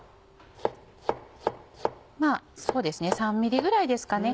そうですね３ｍｍぐらいですかね。